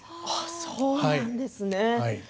そうなんですね。